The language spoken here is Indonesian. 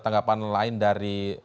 tanggapan lain dari